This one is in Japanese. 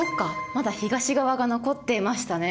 まだ東側が残っていましたね。